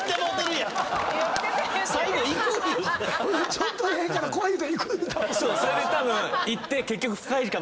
ちょっとでええから来い言うたら「行く」。